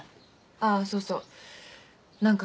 ああそうそうなんか